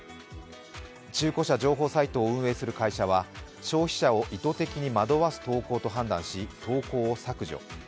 中古車情報サイトを運営する会社は消費者を意図的に惑わす投稿と判断し、投稿を削除。